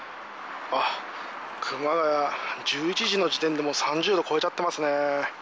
あっ、熊谷、１１時の時点でもう３０度を超えちゃっていますね。